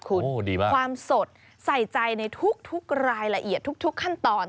คุณความสดใส่ใจในทุกรายละเอียดทุกขั้นตอน